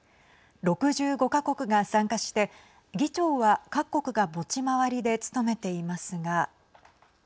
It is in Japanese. ６５か国が参加して議長は各国が持ち回りで務めていますが。